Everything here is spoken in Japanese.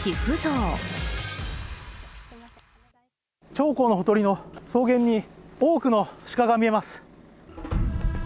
長江のほとりの草原に多くの鹿が見えます。